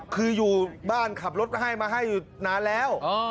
คืออยู่บ้านขับรถให้มาให้อยู่นานแล้ว